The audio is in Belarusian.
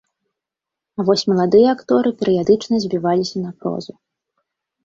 А вось маладыя акторы перыядычна збіваліся на прозу.